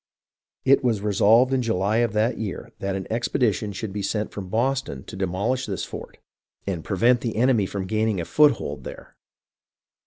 It was resolved in July of that year THE STRUGGLE ON THE SEA 395 that an expedition should be sent from Boston to demoHsh this fort and prevent the enemy from gaining a foothold there.